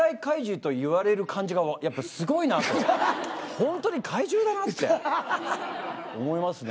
ほんとに怪獣だなって思いますね。